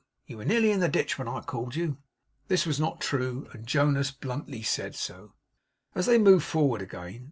You were nearly in the ditch when I called to you.' This was not true; and Jonas bluntly said so, as they moved forward again.